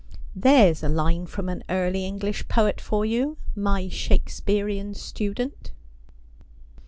There's a line from an early English poet for you, my Shake spearian student.'